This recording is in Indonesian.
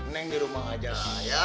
neng di rumah aja saya